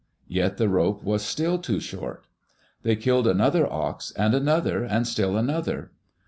Yet the rope was still too short. They killed another ox, and another, and still another.